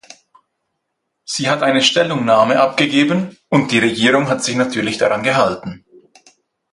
Sie hat eine Stellungnahme abgegeben, und die Regierung hat sich natürlich daran gehalten.